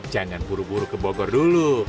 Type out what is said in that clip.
jangan buru buru ke bogor dulu